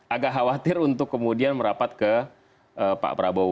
agak khawatir untuk kemudian merapat ke pak prabowo